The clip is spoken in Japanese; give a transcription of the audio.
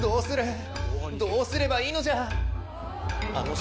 どうすればいいのじゃ？